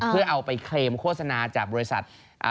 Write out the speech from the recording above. เพื่อเอาไปเคลมโฆษณาจากบริษัท